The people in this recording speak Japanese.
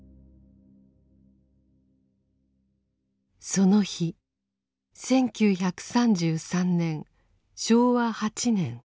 その日１９３３年昭和８年９月２１日。